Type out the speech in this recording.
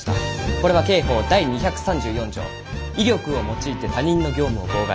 これは刑法第２３４条威力を用いて他人の業務を妨害。